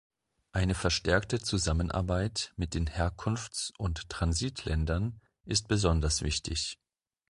Eine verstärkte Zusammenarbeit mit den Herkunfts- und Transitländern ist besonders wichtig.